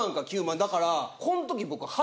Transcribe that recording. だからこん時僕。